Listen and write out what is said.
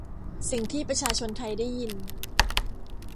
สิ่งที่ประชาชนไทยได้ยิน